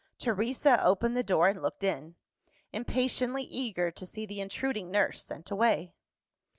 Teresa opened the door, and looked in impatiently eager to see the intruding nurse sent away.